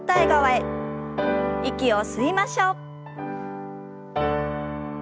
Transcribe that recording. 息を吸いましょう。